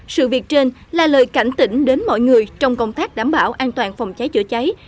sự việc trên là lời cảnh tỉnh đến mọi người trong công tác đảm bảo an toàn phòng cháy chữa cháy